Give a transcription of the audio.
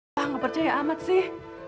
mbak gak percaya amat sih